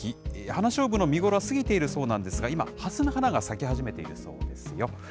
花しょうぶの見頃は過ぎているそうなんですが、今、ハスの花が咲き始めているそうですよ。